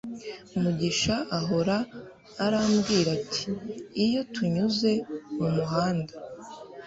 mugisha ahora arambwira ati iyo tunyuze mumuhanda